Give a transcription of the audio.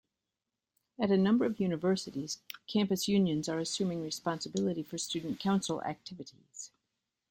At a number of universities, campus unions are assuming responsibility for student council activities.